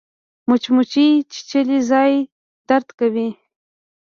مچمچۍ چیچلی ځای درد کوي